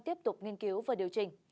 tiếp tục nghiên cứu và điều trình